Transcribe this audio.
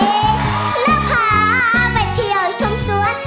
แล้วพาไปเที่ยวชมสวน